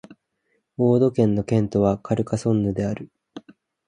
オード県の県都はカルカソンヌである